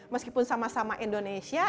meskipun sama sama indonesia